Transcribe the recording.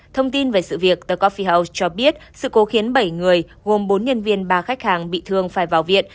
thông tin về sự việc the coffells cho biết sự cố khiến bảy người gồm bốn nhân viên ba khách hàng bị thương phải vào viện